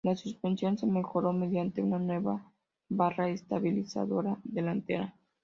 La suspensión se mejoró mediante una nueva barra estabilizadora delantera.